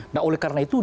nah oleh karena itu